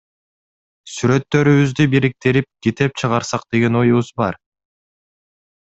Сүрөттөрүбүздү бириктирип, китеп чыгарсак деген оюбуз бар.